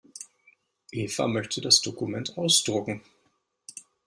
Eva möchte das Dokument ausdrucken.